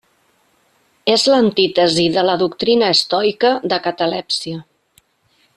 És l'antítesi de la doctrina estoica de catalèpsia.